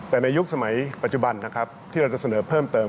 แต่ในยุคสมัยปัจจุบันนะครับที่เราจะเสนอเพิ่มเติม